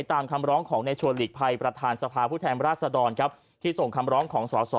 ตามคำร้องของในชวนหลีกภัยประธานสภาพผู้แทนราชดรครับที่ส่งคำร้องของสอสอ